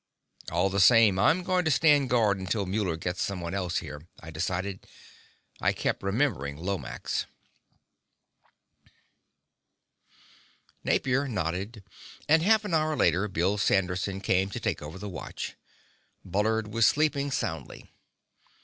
"All the same, I'm going to stand guard until Muller gets someone else here," I decided. I kept remembering Lomax. Napier nodded, and half an hour later Bill Sanderson came to take over the watch. Bullard was sleeping soundly.